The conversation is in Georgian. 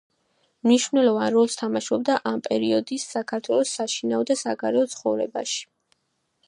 მნიშვნელოვან როლს თამაშობდა ამ პერიოდის საქართველოს საშინაო და საგარეო ცხოვრებაში.